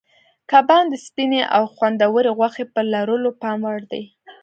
کبان د سپینې او خوندورې غوښې په لرلو پام وړ دي.